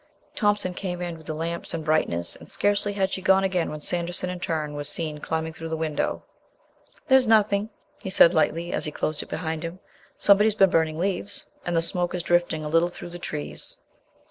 Thompson came in with the lamps and brightness, and scarcely had she gone again when Sanderson in turn was seen climbing through the window. "There's nothing," he said lightly, as he closed it behind him. "Somebody's been burning leaves, and the smoke is drifting a little through the trees.